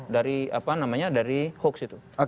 dari apa namanya dari hoax itu